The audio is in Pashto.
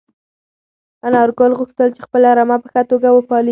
انارګل غوښتل چې خپله رمه په ښه توګه وپالي.